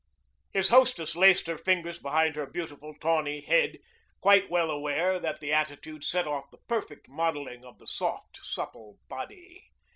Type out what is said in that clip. His hostess laced her fingers behind her beautiful, tawny head, quite well aware that the attitude set off the perfect modeling of the soft, supple body.